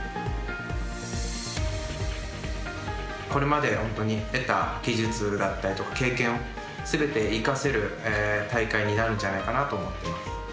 これまで本当に得た技術だったりとか経験を、すべて生かせる大会になるんじゃないかなと思っています。